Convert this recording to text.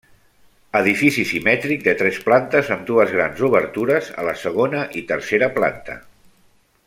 Edifici simètric, de tres plantes amb dues grans obertures a la segona i tercera planta.